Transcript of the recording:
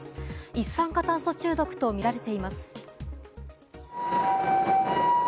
一酸化炭素中毒とみられています。